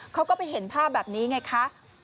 เขาก็ไปเห็นภาพแบบนี้ไงคะ